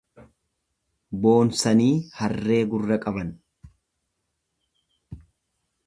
Boonsanii harree gurra qaban.